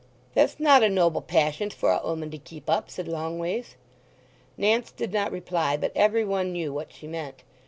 "That's not a noble passiont for a 'oman to keep up," said Longways. Nance did not reply, but every one knew what she meant.